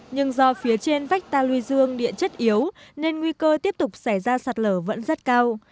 nhưng do phía trên vách tà luy dương địa chất yếu nên nguy cơ tiếp tục xảy ra sạt lở vẫn rất cao